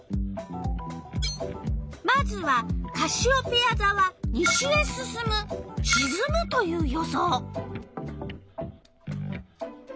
まずはカシオペヤざは「西へ進む」「しずむ」という予想。